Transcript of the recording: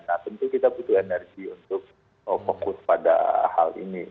nah tentu kita butuh energi untuk fokus pada hal ini